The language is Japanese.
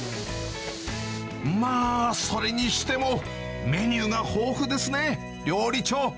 まあ、それにしても、メニューが豊富ですね、料理長。